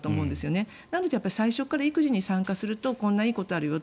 そうなると最初から育児に参加するとこんないいことがあるよって。